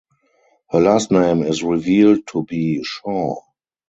Her last name is revealed to be Shaw.